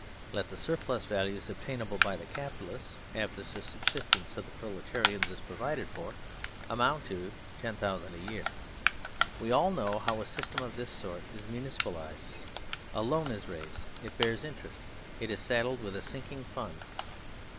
Let the surplus values obtainable by the Capitalists after the subsistence of the proletarians is provided for amount to 1 0,000 a year. We all know how a system 179 THE SERVILE STATE of this sort is "Municipalised. A "loan "is raised. It bears "interest." It is saddled with a "sinking fund."